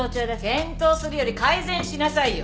検討するより改善しなさいよ。